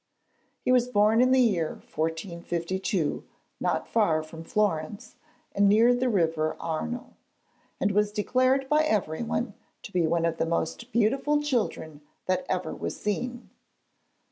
He was born in the year 1452 not far from Florence and near the river Arno, and was declared by everyone to be one of the most beautiful children that ever was seen.